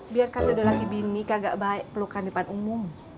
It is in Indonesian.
biar kartu do laki bini kagak baik pelukan depan umum